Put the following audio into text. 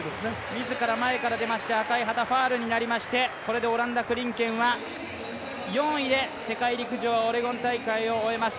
自ら前に出ました赤い旗ファウルになりましてこれでオランダクリンケンは４位で世界陸上オレゴン大会を終えます。